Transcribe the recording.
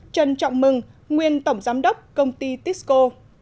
trần trọng mừng nguyên tổng giám đốc công ty tisco